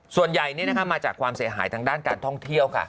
ส่วนใหญ่มาจากความเสียหายทางด้านการท่องเที่ยวค่ะ